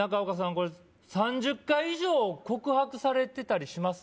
これ３０回以上告白されてたりします？